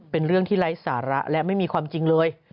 เป็นเรื่องที่ไร้สาระและไม่มีความจริงเลย